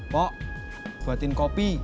pok buatin kopi